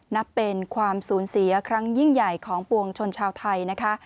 นับเป็นความสูญเสียครั้งยิ่งใหญ่ของปวงชนชาวไทยนะคะ